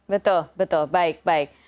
betul betul baik baik